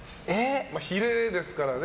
ヒレですからね。